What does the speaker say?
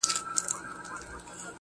څه مسته نسه مي پـــه وجود كي ده.